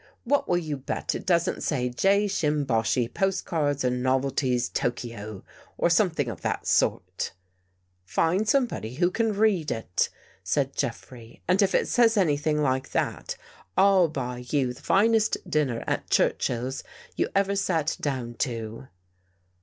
" What will you bet it doesn't say ' J. Shimbashi, Postcards and Novelties, Tokio,' or something of that sort? "" Find somebody who can read it," said Jeffrey, " and if it says anything like that. I'll buy you the finest dinner at Churchill's that you ever sat down to."